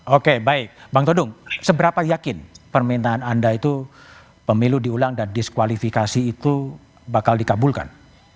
oke baik bang todung seberapa yakin permintaan anda itu pemilu diulang dan diskualifikasi itu bakal dikabulkan